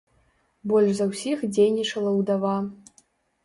Больш за ўсіх дзейнічала ўдава.